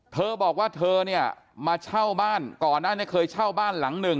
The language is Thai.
เธอบอกว่าเธอเนี่ยมาเช่าบ้านก่อนหน้านี้เคยเช่าบ้านหลังหนึ่ง